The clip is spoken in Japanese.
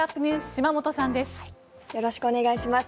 島本さんです。